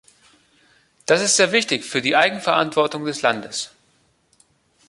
Das ist sehr wichtig für die Eigenverantwortung des Landes.